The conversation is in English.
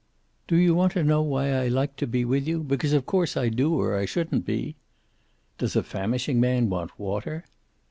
"Do you want to know why I like to be with you? Because of course I do, or I shouldn't be." "Does a famishing man want water?"